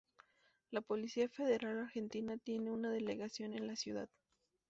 La Policía Federal Argentina tiene una delegación en la ciudad.